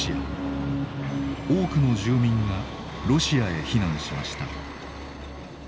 多くの住民がロシアへ避難しました。